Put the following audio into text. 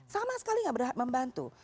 sama sekali gak membantu